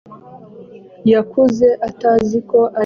Yakuze ataziko arinjye mama we